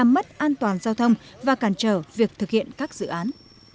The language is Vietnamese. mất an toàn giao thông và cản trở việc thực hiện các dự án